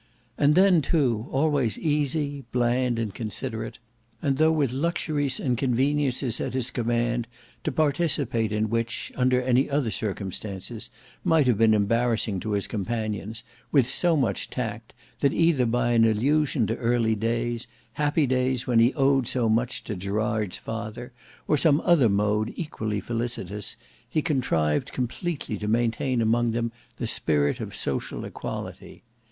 And then too, always easy, bland, and considerate; and though with luxuries and conveniences at his command, to participate in which, under any other circumstances, might have been embarrassing to his companions, with so much tact, that either by an allusion to early days, happy days when he owed so much to Gerard's father, or some other mode equally felicitous, he contrived completely to maintain among them the spirit of social equality.